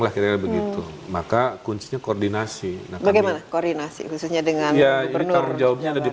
maksudnya koordinasi bagaimana koordinasi khususnya dengan ya ini terjawabnya ada di